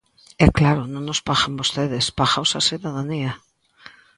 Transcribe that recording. E, claro, non os pagan vostedes, págaos a cidadanía.